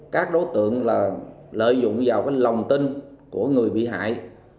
các đối tượng là lợi dụng vào lòng tin của người bị hại